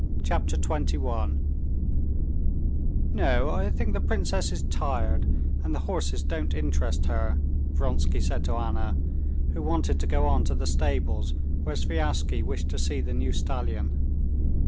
Chapter 21 "No, I think the princess is tired, and horses don't interest her," Vronsky said to Anna, who wanted to go on to the stables, where Sviazhsky wished to see the new stallion.